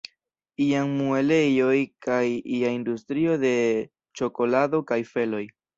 Iam muelejoj kaj ia industrio de ĉokolado kaj feloj.